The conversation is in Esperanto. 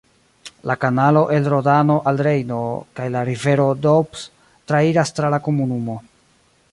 La kanalo el Rodano al Rejno kaj la rivero Doubs trairas tra la komunumo.